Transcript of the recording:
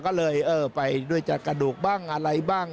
ก็เลยเออไปด้วยจากกระดูกบ้างอะไรบ้าง